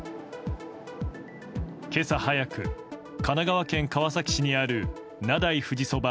今朝早く、神奈川県川崎市にある名代富士そば